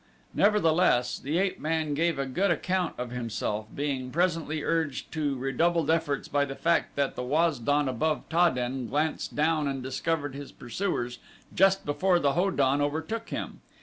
Nevertheless, the ape man gave a good account of himself, being presently urged to redoubled efforts by the fact that the Waz don above Ta den glanced down and discovered his pursuers just before the Ho don overtook him.